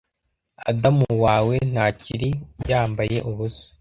adamu wawe ntakiri yambaye ubusa